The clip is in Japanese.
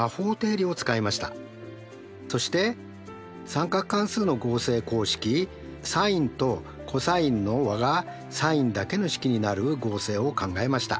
そして三角関数の合成公式サインとコサインの和がサインだけの式になる合成を考えました。